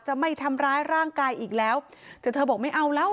ไม่ทำร้ายร่างกายอีกแล้วแต่เธอบอกไม่เอาแล้ว